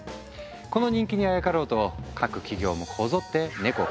この人気にあやかろうと各企業もこぞってネコ